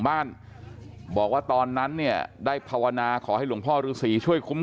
บ้านบอกว่าตอนนั้นเนี่ยได้ภาวนาขอให้หลวงพ่อฤษีช่วยคุ้ม